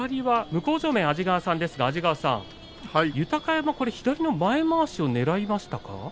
向正面、安治川さんですが豊山、左の前まわしをねらいましたか。